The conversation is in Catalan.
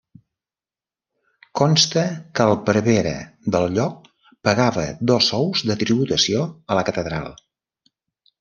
Consta que el prevere del lloc pagava dos sous de tributació a la catedral.